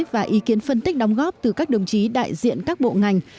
và ý kiến phân tích đóng góp từ các đồng chí đại diện các bộ ngành